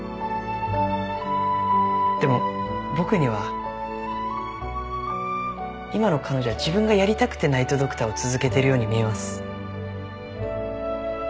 でも僕には今の彼女は自分がやりたくてナイト・ドクターを続けているように見えます。